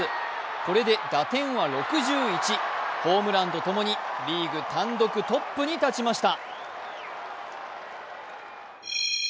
これで打点は６１、ホームランとともにリーグ単独トップに立ちました。